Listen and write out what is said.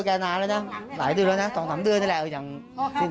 เอ้าว่าแกไปไหน